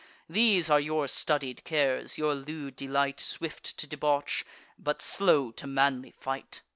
These are your studied cares, your lewd delight: Swift to debauch, but slow to manly fight."